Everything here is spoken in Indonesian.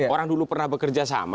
orang dulu pernah bekerja sama